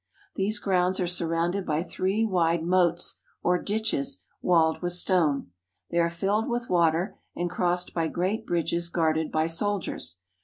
These grounds are surrounded by three wide moats or ditches, walled with stone. They are filled with water, and crossed by great bridges guarded by soldiers.